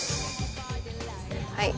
はい。